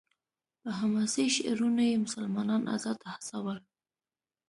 په حماسي شعرونو یې مسلمانان غزا ته هڅول.